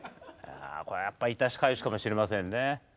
これやっぱり痛しかゆしかもしれませんね。